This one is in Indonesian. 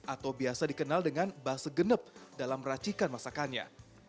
atau biasa dikenal dengan basa genep dalam meracikan masakannya